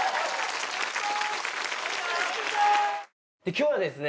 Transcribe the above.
今日はですね